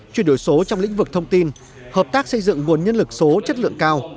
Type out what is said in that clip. chuyển đổi số trong lĩnh vực thông tin hợp tác xây dựng nguồn nhân lực số chất lượng cao